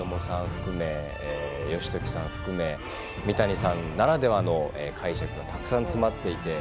含め義時さん含め三谷さんならではの解釈たくさん詰まっています。